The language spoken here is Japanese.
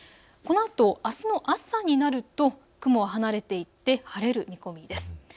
このあとあすの朝になると雲は離れていって晴れる見込みです。